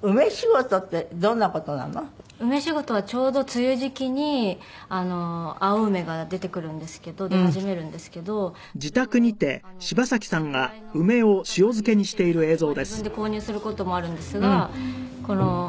梅仕事はちょうど梅雨時期に青梅が出てくるんですけど出始めるんですけどそれを知り合いの方から譲っていただいたりまあ自分で購入する事もあるんですがこの。